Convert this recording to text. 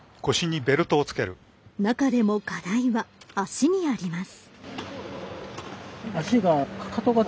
中でも課題は足にあります。